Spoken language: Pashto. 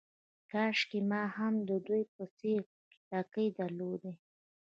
کاشکې ما هم د دوی په څېر لکۍ درلودای.